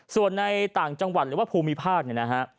ส่วนในต่างจังหวัดหรือว่าภูมิภาคเนี่ยนะฮะ